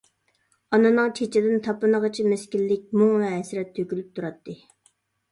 ئانىنىڭ چېچىدىن تاپىنىغىچە مىسكىنلىك، مۇڭ ۋە ھەسرەت تۆكۈلۈپ تۇراتتى.